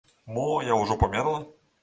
Мо я ўжо памерла?